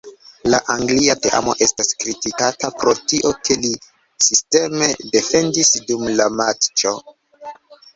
La Anglia teamo estas kritikata pro tio, ke li sisteme defendis dum la matĉo.